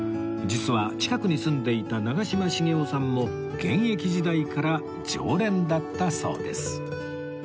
実は近くに住んでいた長嶋茂雄さんも現役時代から常連だったそうです